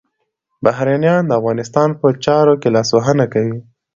بهرنیان د افغانستان په چارو کي لاسوهنه کوي.